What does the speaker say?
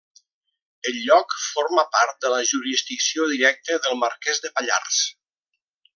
El lloc formà part de la jurisdicció directa del Marquès de Pallars.